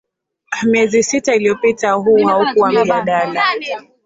Miezi sita iliyopita huu haukuwa mjadala